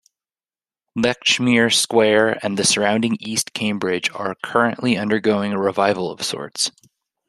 Lechmere Square and the surrounding East Cambridge are currently undergoing a revival of sorts.